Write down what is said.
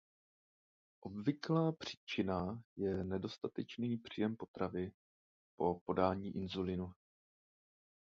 Obvyklá příčina je nedostatečný příjem potravy po podání inzulinu.